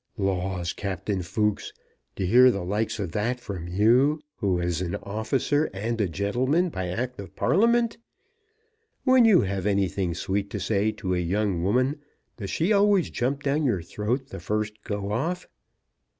"Laws, Captain Fooks, to hear the likes of that from you, who is an officer and a gentleman by Act of Parliament! When you have anything sweet to say to a young woman, does she always jump down your throat the first go off?"